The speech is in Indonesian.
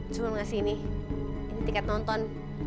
cuma kasih ini ini tiket nonton